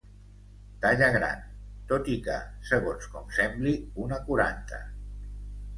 Talla gran, tot i que segons com sembli una quaranta.